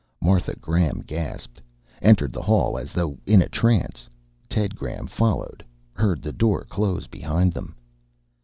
Martha Graham gasped, entered the hall as though in a trance. Ted Graham followed, heard the door close behind them.